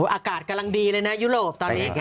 อากาศกำลังดีเลยนะยุโรป